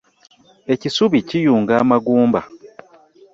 Ekisubi kiyunga amagumba .